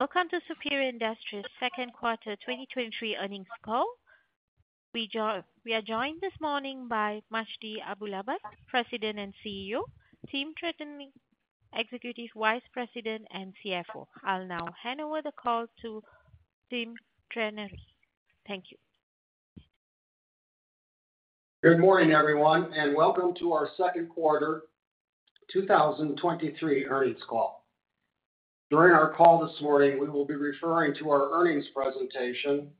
Welcome to Superior Industries second quarter 2023 earnings call. We are joined this morning by Majdi Abulaban, President and CEO, Tim Trenary, Executive Vice President, and CFO. I'll now hand over the call to Tim Trenary. Thank you. Good morning, everyone, and welcome to our second quarter 2023 earnings call. During our call this morning, we will be referring to our earnings presentation,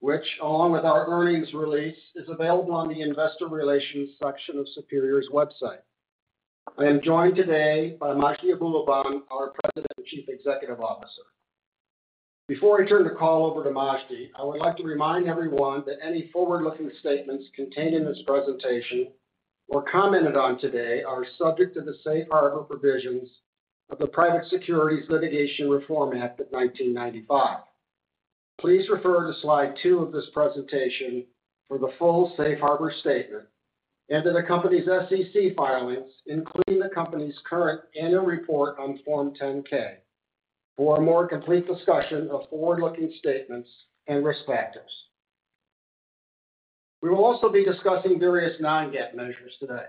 which, along with our earnings release, is available on the investor relations section of Superior's website. I am joined today by Majdi Abulaban, our President and Chief Executive Officer. Before I turn the call over to Majdi, I would like to remind everyone that any forward-looking statements contained in this presentation or commented on today are subject to the safe harbor provisions of the Private Securities Litigation Reform Act of 1995. Please refer to slide 2 of this presentation for the full safe harbor statement and to the company's SEC filings, including the company's current annual report on Form 10-K, for a more complete discussion of forward-looking statements and risk factors. We will also be discussing various non-GAAP measures today.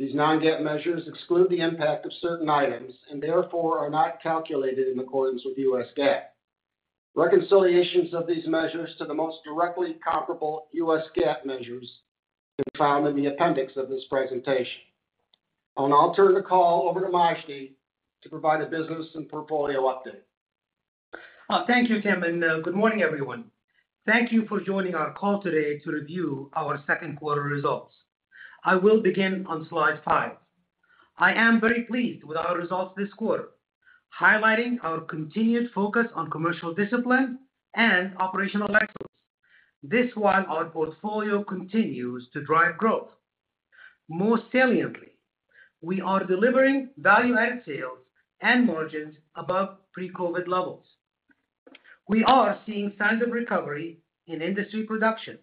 These non-GAAP measures exclude the impact of certain items and therefore are not calculated in accordance with U.S. GAAP. Reconciliations of these measures to the most directly comparable U.S. GAAP measures can be found in the appendix of this presentation. I'll now turn the call over to Majdi to provide a business and portfolio update. Thank you, Tim. Good morning, everyone. Thank you for joining our call today to review our second quarter results. I will begin on slide 5. I am very pleased with our results this quarter, highlighting our continued focus on commercial discipline and operational excellence. This while our portfolio continues to drive growth. More saliently, we are delivering value-added sales and margins above pre-COVID levels. We are seeing signs of recovery in industry production,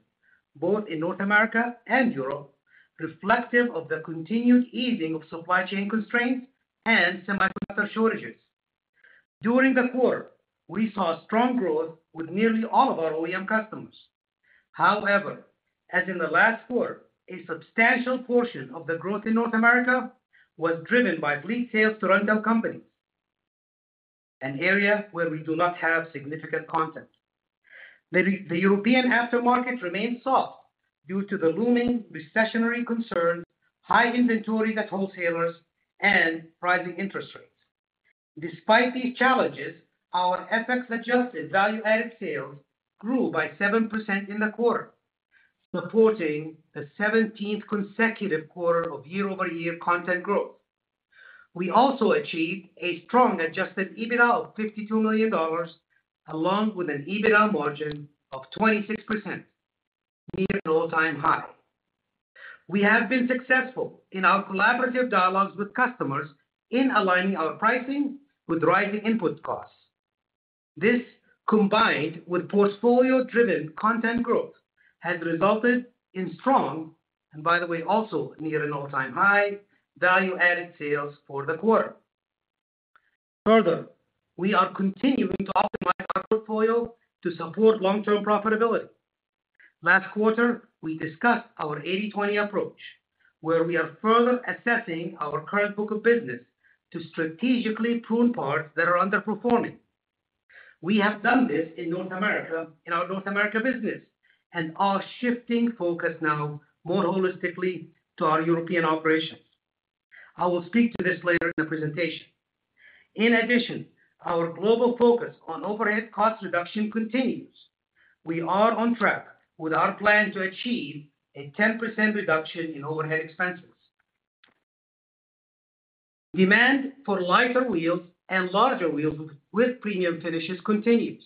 both in North America and Europe, reflective of the continued easing of supply chain constraints and semiconductor shortages. During the quarter, we saw strong growth with nearly all of our OEM customers. However, as in the last quarter, a substantial portion of the growth in North America was driven by fleet sales to rental companies, an area where we do not have significant content. The, the European aftermarket remains soft due to the looming recessionary concerns, high inventory at wholesalers, and rising interest rates. Despite these challenges, our FX-adjusted value-added sales grew by 7% in the quarter, supporting the 17th consecutive quarter of year-over-year content growth. We also achieved a strong adjusted EBITDA of $52 million, along with an EBITDA margin of 26%, near an all-time high. We have been successful in our collaborative dialogues with customers in aligning our pricing with rising input costs. This, combined with portfolio-driven content growth, has resulted in strong, and by the way, also near an all-time high, value-added sales for the quarter. Further, we are continuing to optimize our portfolio to support long-term profitability. Last quarter, we discussed our 80/20 approach, where we are further assessing our current book of business to strategically prune parts that are underperforming. We have done this in North America, in our North America business, and are shifting focus now more holistically to our European operations. I will speak to this later in the presentation. In addition, our global focus on overhead cost reduction continues. We are on track with our plan to achieve a 10% reduction in overhead expenses. Demand for lighter wheels and larger wheels with premium finishes continues.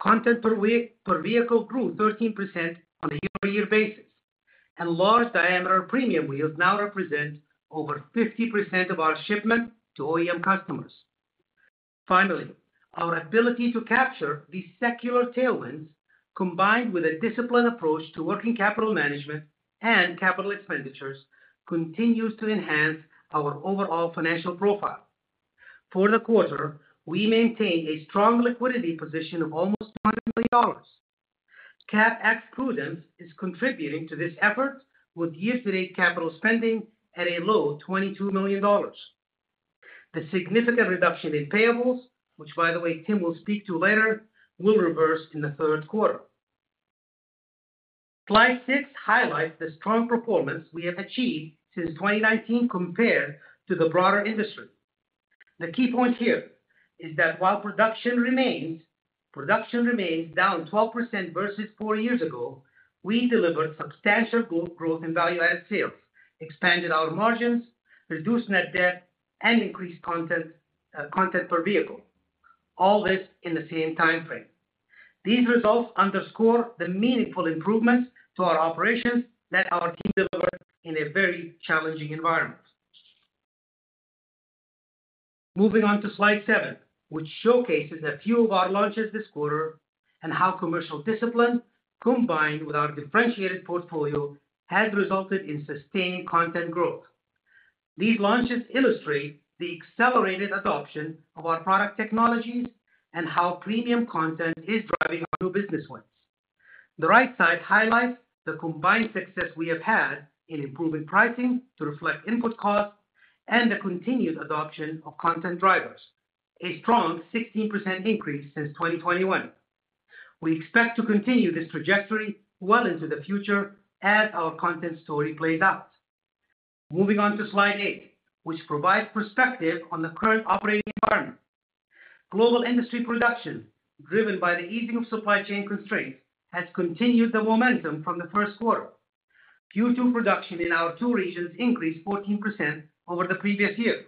Content per vehicle grew 13% on a year-over-year basis, and large diameter premium wheels now represent over 50% of our shipment to OEM customers. Finally, our ability to capture these secular tailwinds, combined with a disciplined approach to working capital management and capital expenditures, continues to enhance our overall financial profile. For the quarter, we maintained a strong liquidity position of almost $1 million. CapEx prudence is contributing to this effort, with year-to-date capital spending at a low $22 million. The significant reduction in payables, which, by the way, Tim will speak to later, will reverse in the third quarter. Slide 6 highlights the strong performance we have achieved since 2019 compared to the broader industry. The key point here is that while production remains, production remains down 12% versus 4 years ago, we delivered substantial growth in value-added sales, expanded our margins, reduced net debt, and increased content, content per vehicle, all this in the same timeframe. These results underscore the meaningful improvements to our operations that our team delivered in a very challenging environment. Moving on to slide 7, which showcases a few of our launches this quarter and how commercial discipline, combined with our differentiated portfolio, has resulted in sustained content growth. These launches illustrate the accelerated adoption of our product technologies and how premium content is driving our new business wins. The right side highlights the combined success we have had in improving pricing to reflect input costs and the continued adoption of content drivers, a strong 16% increase since 2021. We expect to continue this trajectory well into the future as our content story plays out. Moving on to slide eight, which provides perspective on the current operating environment. Global industry production, driven by the easing of supply chain constraints, has continued the momentum from the first quarter. Q2 production in our two regions increased 14% over the previous year,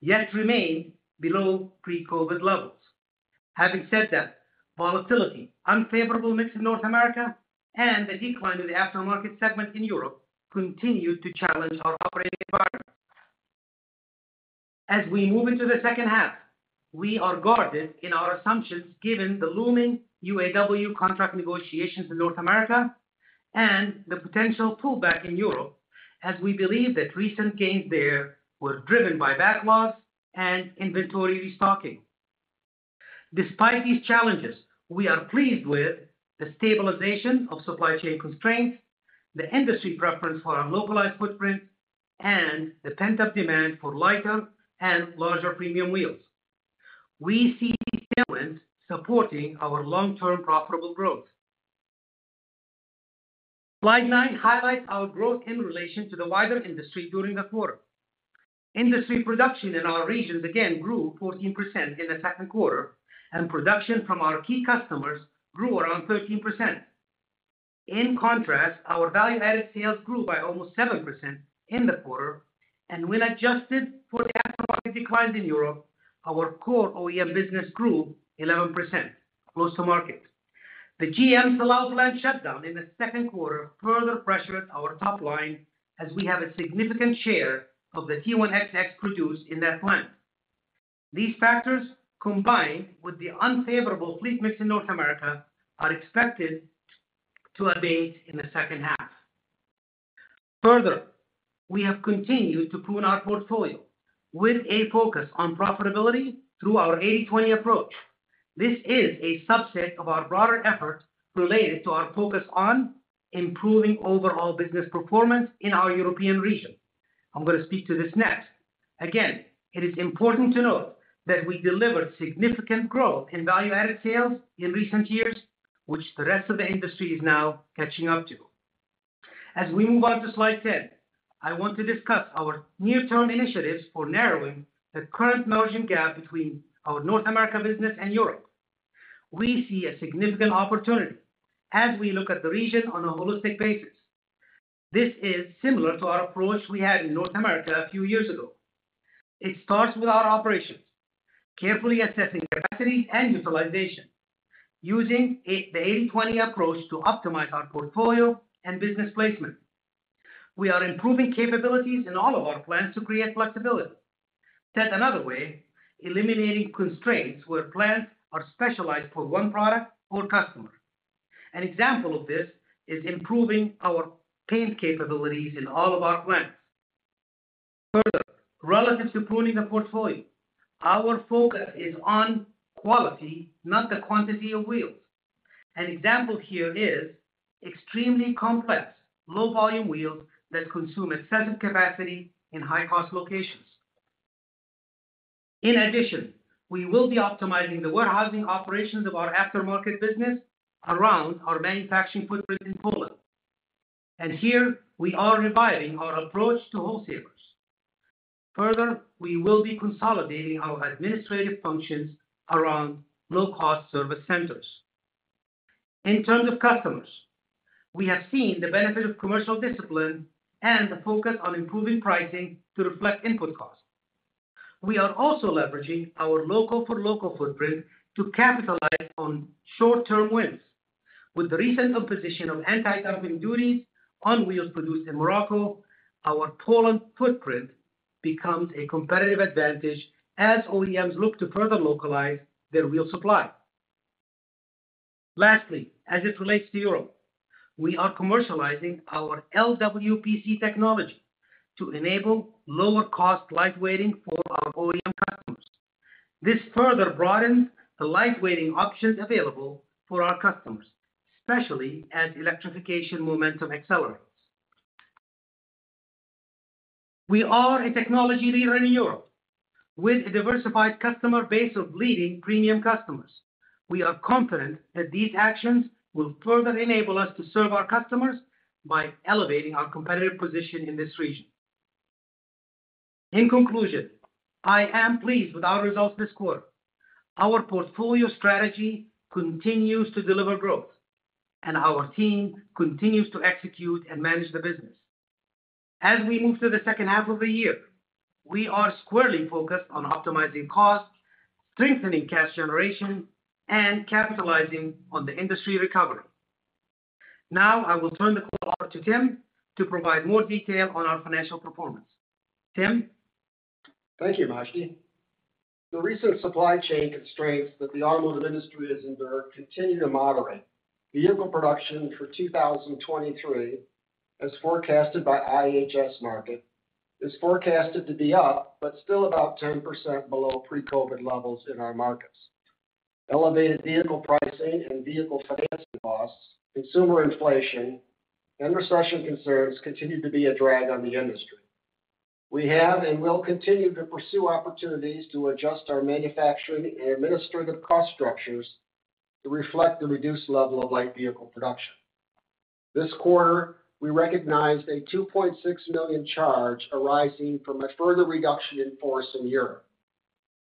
yet remained below pre-COVID levels. Having said that, volatility, unfavorable mix in North America, and the decline in the aftermarket segment in Europe continued to challenge our operating environment. As we move into the second half, we are guarded in our assumptions given the looming UAW contract negotiations in North America and the potential pullback in Europe, as we believe that recent gains there were driven by backlogs and inventory restocking. Despite these challenges, we are pleased with the stabilization of supply chain constraints, the industry preference for our localized footprint, and the pent-up demand for lighter and larger premium wheels. We see these tailwinds supporting our long-term profitable growth. Slide 9 highlights our growth in relation to the wider industry during the quarter. Industry production in our regions again grew 14% in the second quarter, and production from our key customers grew around 13%. In contrast, our value-added sales grew by almost 7% in the quarter, and when adjusted for the aftermarket declines in Europe, our core OEM business grew 11% close to market. The GM Silao plant shutdown in the second quarter further pressured our top line, as we have a significant share of the T1XX produced in that plant. These factors, combined with the unfavorable fleet mix in North America, are expected to abate in the second half. Further, we have continued to prune our portfolio with a focus on profitability through our 80/20 approach. This is a subset of our broader effort related to our focus on improving overall business performance in our European region. I'm going to speak to this next. Again, it is important to note that we delivered significant growth in value-added sales in recent years, which the rest of the industry is now catching up to. As we move on to slide 10, I want to discuss our near-term initiatives for narrowing the current margin gap between our North America business and Europe. We see a significant opportunity as we look at the region on a holistic basis. This is similar to our approach we had in North America a few years ago. It starts with our operations, carefully assessing capacity and utilization, using the 80/20 approach to optimize our portfolio and business placement. We are improving capabilities in all of our plants to create flexibility. Said another way, eliminating constraints where plants are specialized for one product or customer. An example of this is improving our paint capabilities in all of our plants. Further, relative to pruning the portfolio, our focus is on quality, not the quantity of wheels. An example here is extremely complex, low-volume wheels that consume excessive capacity in high-cost locations. In addition, we will be optimizing the warehousing operations of our aftermarket business around our manufacturing footprint in Poland, and here we are revising our approach to wholesalers. Further, we will be consolidating our administrative functions around low-cost service centers. In terms of customers, we have seen the benefit of commercial discipline and the focus on improving pricing to reflect input costs. We are also leveraging our local-for-local footprint to capitalize on short-term wins. With the recent imposition of anti-dumping duties on wheels produced in Morocco, our Poland footprint becomes a competitive advantage as OEMs look to further localize their wheel supply. Lastly, as it relates to Europe, we are commercializing our LWPC technology to enable lower cost lightweighting for our OEM customers. This further broadens the lightweighting options available for our customers, especially as electrification momentum accelerates. We are a technology leader in Europe with a diversified customer base of leading premium customers. We are confident that these actions will further enable us to serve our customers by elevating our competitive position in this region. In conclusion, I am pleased with our results this quarter. Our portfolio strategy continues to deliver growth. Our team continues to execute and manage the business. As we move to the second half of the year, we are squarely focused on optimizing costs, strengthening cash generation, and capitalizing on the industry recovery. Now, I will turn the call over to Tim to provide more detail on our financial performance. Tim? Thank you, Majdi. The recent supply chain constraints that the automotive industry has endured continue to moderate. Vehicle production for 2023, as forecasted by IHS Markit, is forecasted to be up, but still about 10% below pre-COVID levels in our markets. Elevated vehicle pricing and vehicle financing costs, consumer inflation, and recession concerns continue to be a drag on the industry. We have and will continue to pursue opportunities to adjust our manufacturing and administrative cost structures to reflect the reduced level of light vehicle production. This quarter, we recognized a $2.6 million charge arising from a further reduction in force in Europe.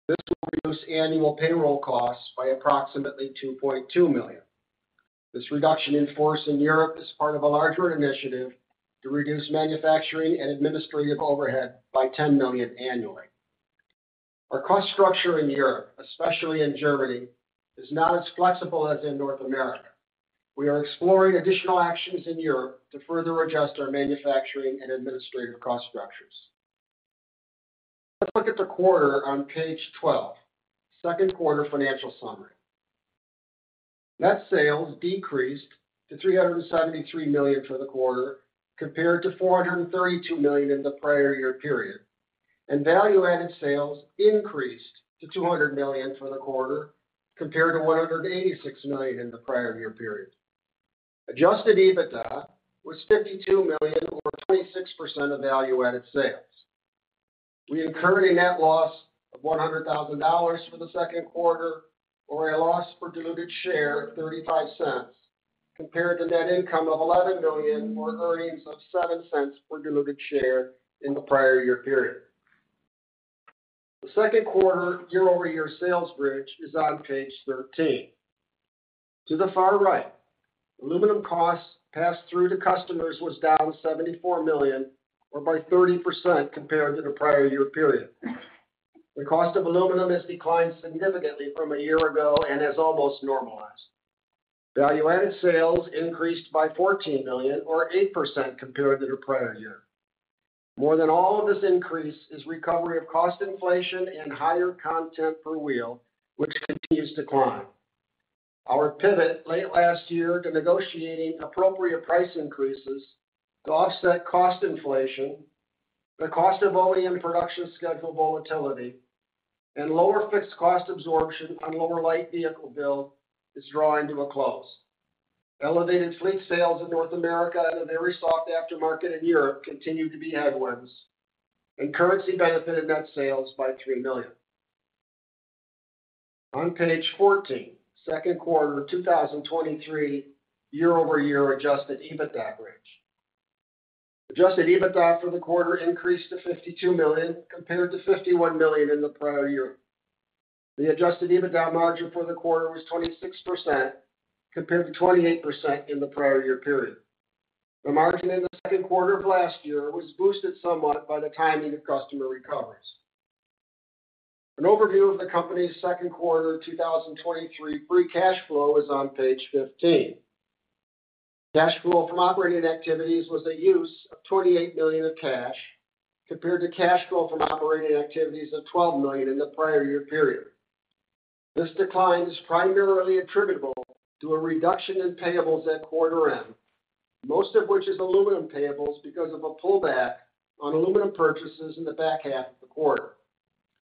This will reduce annual payroll costs by approximately $2.2 million. This reduction in force in Europe is part of a larger initiative to reduce manufacturing and administrative overhead by $10 million annually. Our cost structure in Europe, especially in Germany, is not as flexible as in North America. We are exploring additional actions in Europe to further adjust our manufacturing and administrative cost structures. Let's look at the quarter on page 12. Second quarter financial summary. Net sales decreased to $373 million for the quarter, compared to $432 million in the prior year period, value-added sales increased to $200 million for the quarter, compared to $186 million in the prior year period. Adjusted EBITDA was $52 million, or 26% of value-added sales. We incurred a net loss of $100,000 for the second quarter, or a loss per diluted share of $0.35, compared to net income of $11 million, or earnings of $0.07 per diluted share in the prior year period. The second quarter year-over-year sales bridge is on page 13. To the far right, aluminum costs passed through to customers was down $74 million, or by 30% compared to the prior year period. The cost of aluminum has declined significantly from a year ago and has almost normalized. Value-added sales increased by $14 million, or 8% compared to the prior year. More than all of this increase is recovery of cost inflation and higher content per wheel, which continues to climb. Our pivot late last year to negotiating appropriate price increases to offset cost inflation, the cost of OEM production schedule volatility, and lower fixed cost absorption on lower light vehicle build is drawing to a close. Elevated fleet sales in North America and a very soft aftermarket in Europe continue to be headwinds, and currency benefited net sales by $3 million. On page 14, second quarter 2023, year-over-year Adjusted EBITDA bridge. Adjusted EBITDA for the quarter increased to $52 million, compared to $51 million in the prior year. The Adjusted EBITDA margin for the quarter was 26%, compared to 28% in the prior year period. The margin in the second quarter of last year was boosted somewhat by the timing of customer recoveries. An overview of the company's second quarter 2023 free cash flow is on page 15. Cash flow from operating activities was a use of $28 million of cash, compared to cash flow from operating activities of $12 million in the prior year period. This decline is primarily attributable to a reduction in payables at quarter end, most of which is aluminum payables, because of a pullback on aluminum purchases in the back half of the quarter.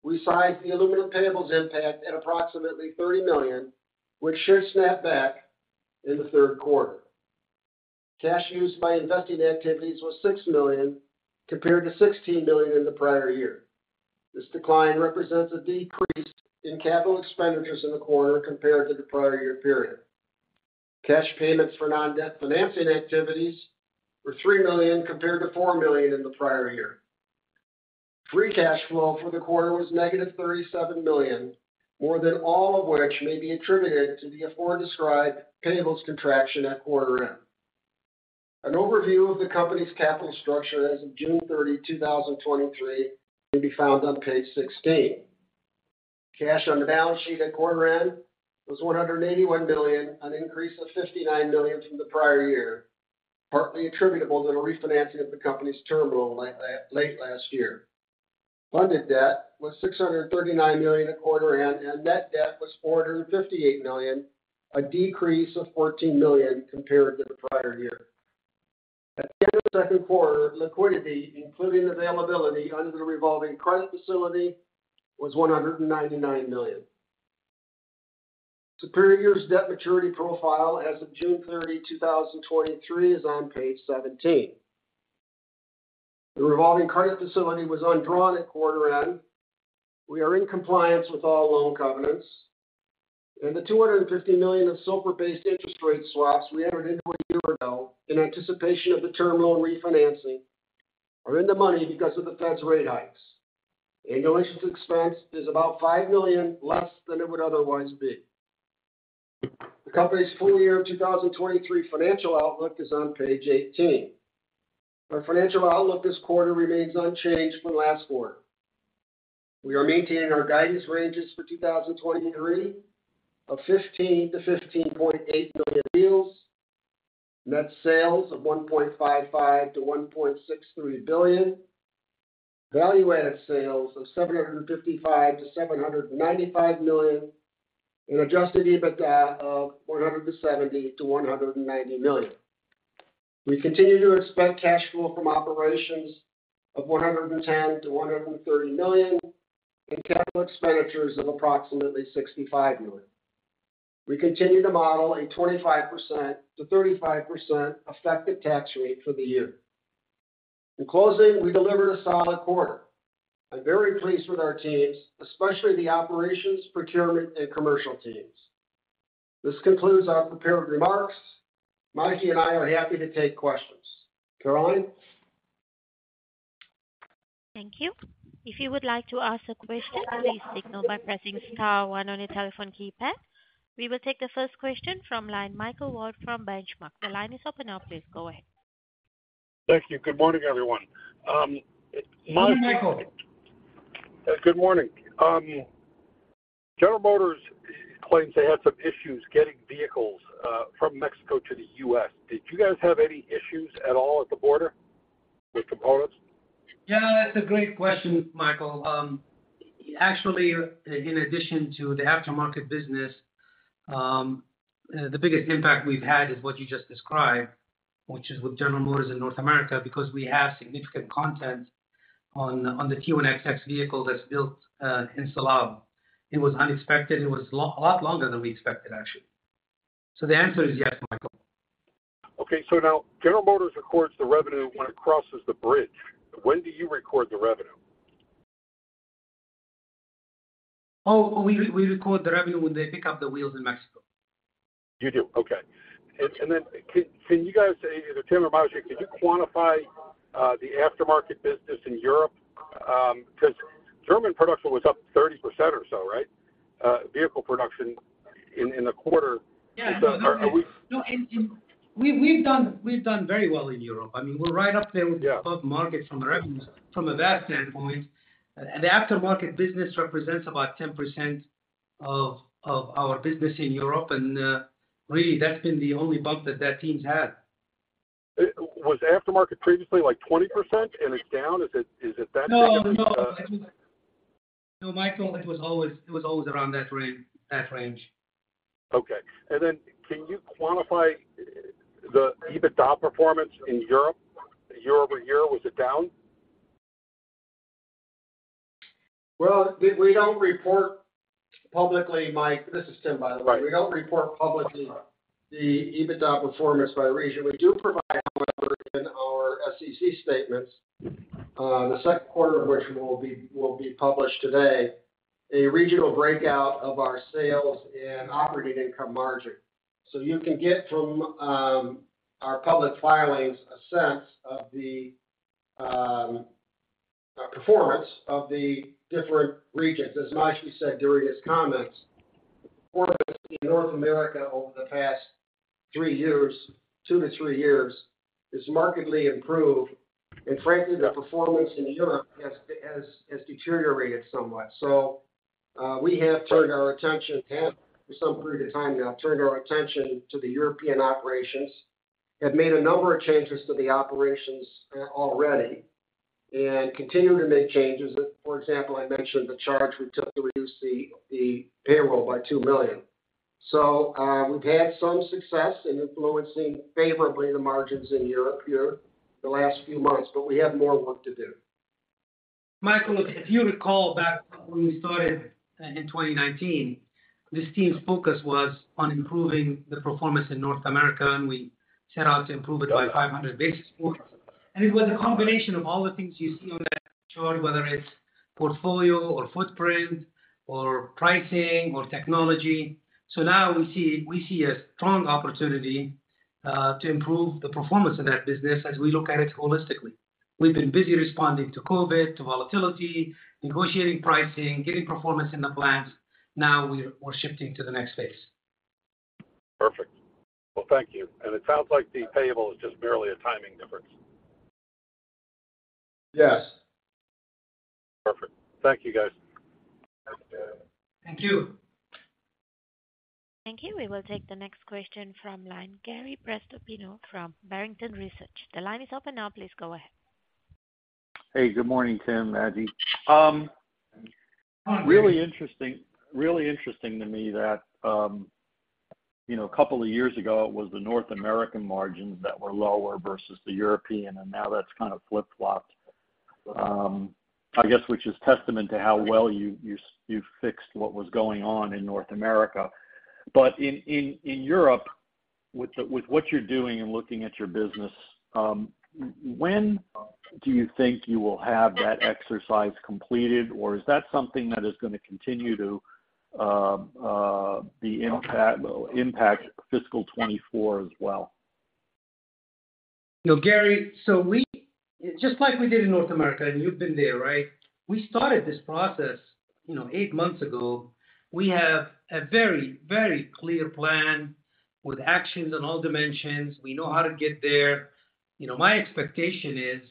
We size the aluminum payables impact at approximately $30 million, which should snap back in the third quarter. Cash used by investing activities was $6 million, compared to $16 million in the prior year. This decline represents a decrease in capital expenditures in the quarter compared to the prior year period. Cash payments for non-debt financing activities were $3 million, compared to $4 million in the prior year. Free cash flow for the quarter was -$37 million, more than all of which may be attributed to the aforementioned described payables contraction at quarter end. An overview of the company's capital structure as of June 30, 2023, can be found on page 16. Cash on the balance sheet at quarter end was $181 million, an increase of $59 million from the prior year, partly attributable to the refinancing of the company's term loan late last year. Funded debt was $639 million at quarter end, and net debt was $458 million, a decrease of $14 million compared to the prior year. At the end of second quarter, liquidity, including availability under the revolving credit facility, was $199 million. Superior's debt maturity profile as of June 30, 2023, is on page 17. The revolving credit facility was undrawn at quarter end. We are in compliance with all loan covenants, and the $250 million in SOFR-based interest rate swaps we entered into a year ago in anticipation of the term loan refinancing, are in the money because of the Fed's rate hikes. Annual interest expense is about $5 million less than it would otherwise be. The company's full year 2023 financial outlook is on page 18. Our financial outlook this quarter remains unchanged from last quarter. We are maintaining our guidance ranges for 2023 of 15 million-15.8 million wheels, net sales of $1.55 billion-$1.63 billion, value-added sales of $755 million-$795 million, and Adjusted EBITDA of $170 million-$190 million. We continue to expect cash flow from operations of $110 million-$130 million and capital expenditures of approximately $65 million. We continue to model a 25%-35% effective tax rate for the year. In closing, we delivered a solid quarter. I'm very pleased with our teams, especially the operations, procurement, and commercial teams. This concludes our prepared remarks. Majdi and I are happy to take questions. Caroline? Thank you. If you would like to ask a question, please signal by pressing star one on your telephone keypad. We will take the first question from line, Michael Ward from Benchmark. The line is open now. Please go ahead. Thank you. Good morning, everyone. Majdi- Good morning, Michael. Good morning. General Motors claims they had some issues getting vehicles, from Mexico to the U.S. Did you guys have any issues at all at the border with components? Yeah, that's a great question, Michael. Actually, in addition to the aftermarket business, the biggest impact we've had is what you just described, which is with General Motors in North America, because we have significant content on, on the T1XX vehicle that's built, in Silao. It was unexpected. It was a lot longer than we expected, actually. The answer is yes, Michael. Okay. Now General Motors records the revenue when it crosses the bridge. When do you record the revenue? Oh, we, we record the revenue when they pick up the wheels in Mexico. You do? Okay. And then can you guys, either Tim or Majdi, can you quantify the aftermarket business in Europe? 'Cause German production was up 30% or so, right? Vehicle production in the quarter. Yeah. No, and, and we, we've done, we've done very well in Europe. I mean, we're right up there- Yeah with the above market from the revenues, from that standpoint. The aftermarket business represents about 10% of our business in Europe, and, really, that's been the only bump that that team's had. Was aftermarket previously, like, 20% and it's down? Is it, is it that bad? No, no. No, Michael, it was always, it was always around that rate, that range. Okay. Then can you quantify the EBITDA performance in Europe, year-over-year? Was it down? Well, we, we don't report publicly, Mike. This is Tim, by the way. Right. We don't report publicly the EBITDA performance by region. We do provide, however, in our SEC statements, the second quarter of which will be, will be published today, a regional breakout of our sales and operating income margin. You can get from our public filings, a sense of the performance of the different regions. As Majdi said during his comments, performance in North America over the past three years, two to three years, has markedly improved, and frankly, the performance in Europe has, has, has deteriorated somewhat. We have turned our attention, have for some period of time now, turned our attention to the European operations, have made a number of changes to the operations already and continue to make changes. For example, I mentioned the charge we took to reduce the payroll by $2 million. We've had some success in influencing favorably the margins in Europe here the last few months, but we have more work to do. Michael, if you recall back when we started in 2019, this team's focus was on improving the performance in North America, and we set out to improve it by 500 basis points. It was a combination of all the things you see on that chart, whether it's portfolio or footprint or pricing or technology. Now we see, we see a strong opportunity to improve the performance of that business as we look at it holistically. We've been busy responding to COVID, to volatility, negotiating pricing, getting performance in the plants. Now we're, we're shifting to the next phase. Perfect. Well, thank you. It sounds like the payable is just merely a timing difference. Yes. Perfect. Thank you, guys. Thank you. Thank you. We will take the next question from line, Gary Prestopino from Barrington Research. The line is open now. Please go ahead. Hey, good morning, Tim, Majdi. really interesting, really interesting to me that, you know, a couple of years ago, it was the North American margins that were lower versus the European, and now that's kind of flip-flopped. I guess, which is testament to how well you, you, you fixed what was going on in North America. In Europe, with what you're doing and looking at your business, when do you think you will have that exercise completed? Is that something that is gonna continue to impact fiscal 2024 as well? You know, Gary, we, just like we did in North America, and you've been there, right? We started this process, you know, 8 months ago. We have a very, very clear plan with actions on all dimensions. We know how to get there. You know, my expectation is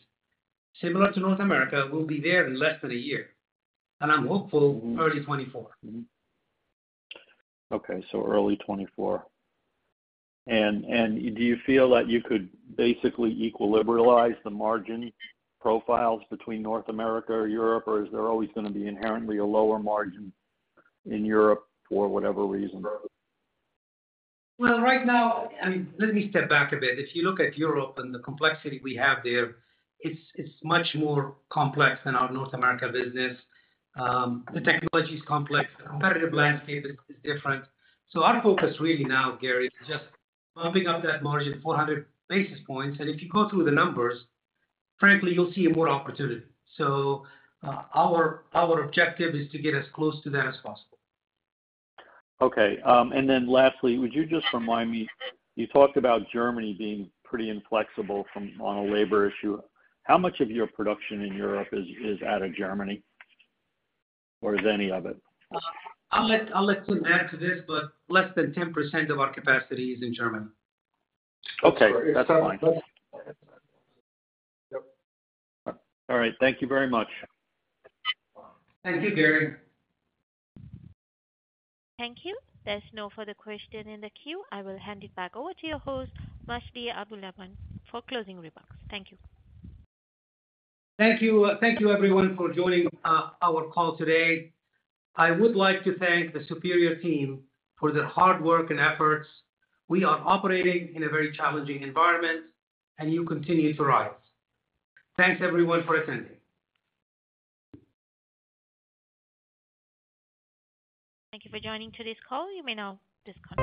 similar to North America, we'll be there in less than a year, and I'm hopeful early 2024. Okay, early 2024. Do you feel that you could basically equilibralize the margin profiles between North America or Europe, or is there always gonna be inherently a lower margin in Europe for whatever reason? Well, right now, I mean, let me step back a bit. If you look at Europe and the complexity we have there, it's much more complex than our North America business. The technology is complex, the competitive landscape is different. Our focus really now, Gary, is just bumping up that margin 400 basis points. If you go through the numbers, frankly, you'll see a more opportunity. Our objective is to get as close to that as possible. Okay. Lastly, would you just remind me, you talked about Germany being pretty inflexible from, on a labor issue. How much of your production in Europe is out of Germany, or is any of it? I'll let Tim add to this, but less than 10% of our capacity is in Germany. Okay, that's fine. Yep. All right. Thank you very much. Thank you, Gary. Thank you. There's no further question in the queue. I will hand it back over to your host, Majdi Abulaban, for closing remarks. Thank you. Thank you. Thank you everyone for joining, our call today. I would like to thank the Superior team for their hard work and efforts. We are operating in a very challenging environment, and you continue to rise. Thanks, everyone, for attending. Thank you for joining today's call. You may now disconnect.